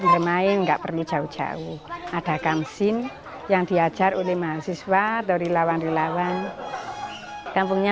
bermain nggak perlu jauh jauh ada kamsin yang diajar oleh mahasiswa atau rilawan rilawan kampungnya